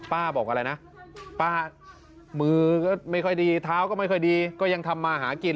บอกอะไรนะป้ามือก็ไม่ค่อยดีเท้าก็ไม่ค่อยดีก็ยังทำมาหากิน